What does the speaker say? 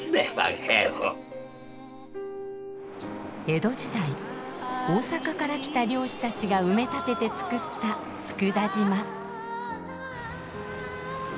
江戸時代大阪から来た漁師たちが埋め立ててつくった佃島。